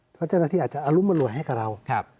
เพราะเจ้าหน้าที่อาจจะอรุมอร่วยให้กับเรา